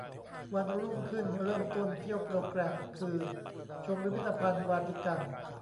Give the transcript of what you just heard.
วันรุ่งขึ้นเริ่มต้นเที่ยวโปรแกรมคือชม พิพิทธภัณฑ์วาติกัน